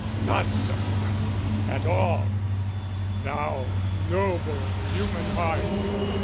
Not so at all, thou noble human heart!